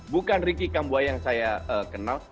bukan ricky kambuaya yang saya kenal